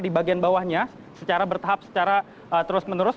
di bagian bawahnya secara bertahap secara terus menerus